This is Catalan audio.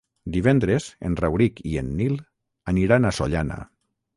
Divendres en Rauric i en Nil aniran a Sollana.